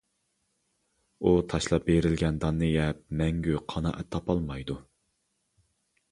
ئۇ تاشلاپ بېرىلگەن داننى يەپ مەڭگۈ قانائەت تاپالمايدۇ.